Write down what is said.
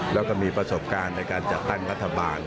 แล้วก็มีประสบการณ์ในการจัดตั้งรัฐบาล